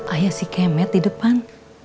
ayah si kemet di depan